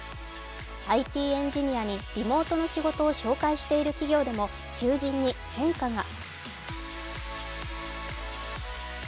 ＩＴエンジニアにリモートの仕事を紹介してる企業でも求人に変化が。